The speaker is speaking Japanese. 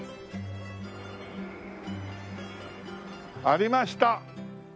ありました。